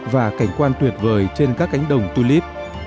và cảnh quan tuyệt vời trên các cánh đồng tulip